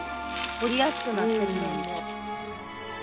掘りやすくなってる年々。